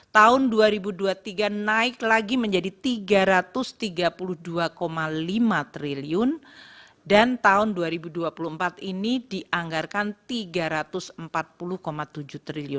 tahun dua ribu dua puluh tiga naik lagi menjadi rp tiga ratus tiga puluh dua lima triliun dan tahun dua ribu dua puluh empat ini dianggarkan rp tiga ratus empat puluh tujuh triliun